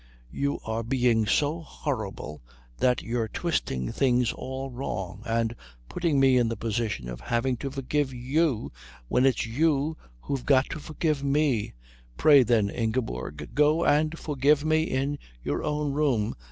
"You are being so horrible that you're twisting things all wrong, and putting me in the position of having to forgive you when it's you who've got to forgive me " "Pray, then, Ingeborg, go and forgive me in your own room.